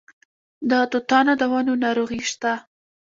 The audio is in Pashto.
د توتانو د ونو ناروغي شته؟